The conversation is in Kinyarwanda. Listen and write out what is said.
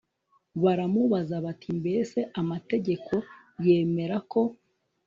baramubaza bati Mbese amategeko yemera ko